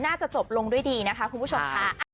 น่าจะจบลงด้วยดีนะคะคุณผู้ชมค่ะ